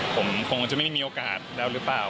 ผมคงจะไม่ได้มีโอกาสแล้วหรือเปล่า